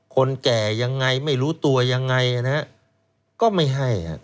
คนแก่ยังไงไม่รู้ตัวยังไงนะฮะก็ไม่ให้